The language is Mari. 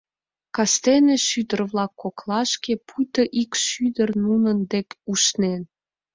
Кастене шӱдыр-влак коклашке, пуйто ик у шӱдыр нунын дек ушнен.